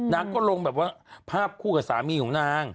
นางก็ลงแบบว่าภาพคู่กับสามีของนาง